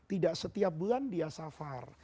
tidak setiap bulan dia safar